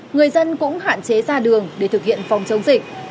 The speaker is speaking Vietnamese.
người dân cũng hạn chế ra đường để thực hiện phòng chống dịch